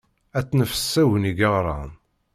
Ad tt-nefk s Agni Ggeɣran.